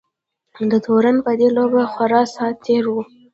د تورن په دې لوبه خورا ساعت تېر وو.